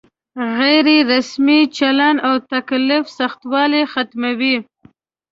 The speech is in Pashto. غیر رسمي چلن او تکلف سختوالی ختموي.